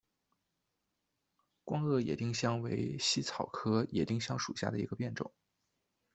光萼野丁香为茜草科野丁香属下的一个变种。